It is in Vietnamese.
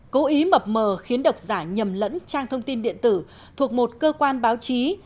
cố ý mập mờ khiến độc giả nhầm lẫn trang thông tin điện tử thuộc một cơ quan báo chí